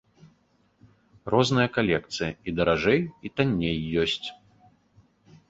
Розныя калекцыі, і даражэй, і танней ёсць.